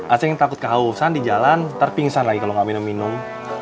acing takut kehausan di jalan ntar pingsan lagi kalo gak minum minum